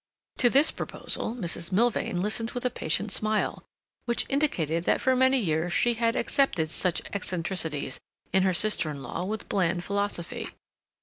To this proposal Mrs. Milvain listened with a patient smile, which indicated that for many years she had accepted such eccentricities in her sister in law with bland philosophy.